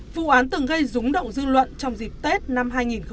vụ án từng gây rúng động dư luận trong dịp tết năm hai nghìn một mươi chín